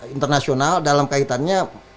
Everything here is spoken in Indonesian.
internasional dalam kaitannya